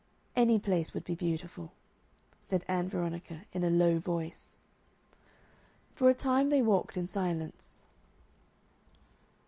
"Any place would be beautiful," said Ann Veronica, in a low voice. For a time they walked in silence.